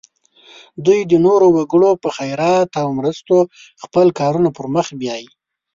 دوی د نورو وګړو په خیرات او مرستو خپل کارونه پر مخ بیایي.